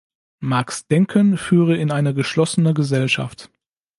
Marx’ Denken führe in eine „"geschlossene Gesellschaft"“.